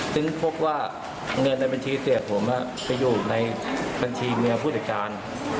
ซึ่งพบว่าเงินในบัญชีเสียผมไปอยู่ในบัญชีเมียผู้จัดการ